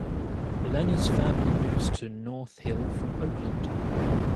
Lena's family moves to North Hill from Oakland.